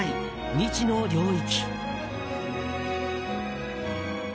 未知の領域。